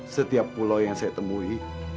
setiap pulau yang saya temui